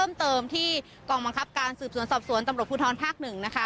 เพิ่มเติมที่กองบังคับการสืบสวนสอบสวนตำรวจภูทรภาค๑นะคะ